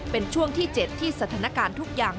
เป็นช่วงที่๗ที่สถานการณ์ทุกอย่าง